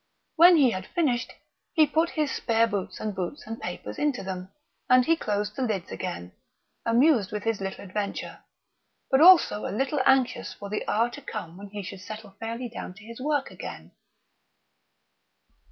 When he had finished, he put his spare boots and books and papers into them; and he closed the lids again, amused with his little adventure, but also a little anxious for the hour to come when he should settle fairly down to his work again.